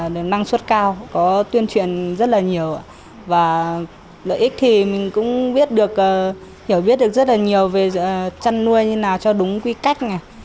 để năng suất cao có tuyên truyền rất là nhiều và lợi ích thì mình cũng biết được hiểu biết được rất là nhiều về chăn nuôi như nào cho đúng quy cách này